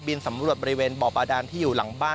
สำรวจบริเวณบ่อบาดานที่อยู่หลังบ้าน